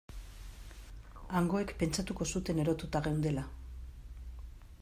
Hangoek pentsatuko zuten erotuta geundela.